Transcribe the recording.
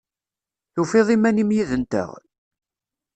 Tufiḍ iman-im yid-nteɣ?